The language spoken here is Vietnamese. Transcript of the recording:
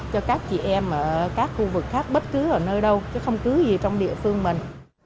cho các chị em ở các khu vực khác bất cứ ở nơi đâu chứ không cứ gì trong địa phương mình